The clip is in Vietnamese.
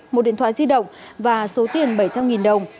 một điện thoại di động và số tiền bảy trăm linh đồng